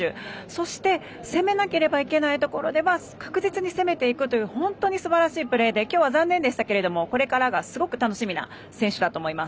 そして攻めなければいけないところで確実に攻めていくという本当にすばらしいプレーで今日は残念でしたけどもこれからがすごく楽しみな選手だと思います。